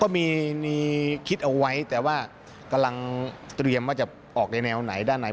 มีคิดเอาไว้แต่ว่ากำลังเตรียมว่าจะออกในแนวไหนด้านไหน